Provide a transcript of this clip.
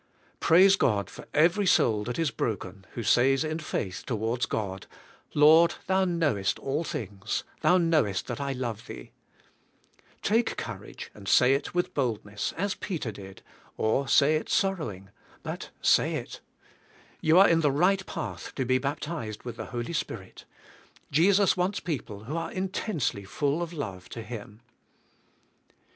Praise God for every soul that is broken, who says in faith towards God, "Lord, Thou knowest all things. Thou knowest that I love Thee." Take courage, say it with boldness, as Peter did, or say it sorrowing; but say it. You are in the right path to be baptized with the Holy Spirit. Jesus wants people who are intensely full of love to Him.